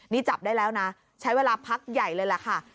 นี่จับได้แล้วนะใช้เวลาพักใหญ่เลยแหละค่ะ